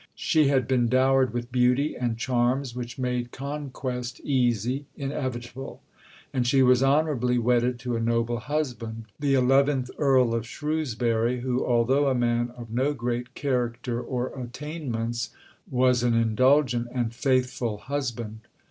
She had been dowered with beauty and charms which made conquest easy, inevitable; and she was honourably wedded to a noble husband, the eleventh Earl of Shrewsbury, who, although a man of no great character or attainments, was an indulgent and faithful husband.